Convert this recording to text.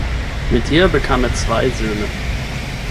Mit ihr bekam er zwei Söhne.